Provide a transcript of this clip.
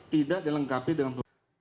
tidak dilengkapi dengan peluru tajam